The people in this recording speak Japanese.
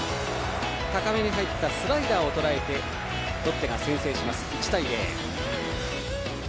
高めに入ったスライダーをとらえてロッテが先制、１対０。